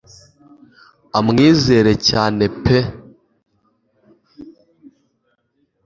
amwizera cyane pe